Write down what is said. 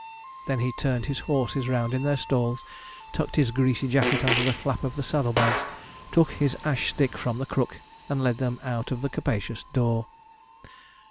He then turned his horses round in their stalls, tucked his greasy jacket under the flap of the saddle bags, took his ash stick from the crook, and led them out of the capacious door.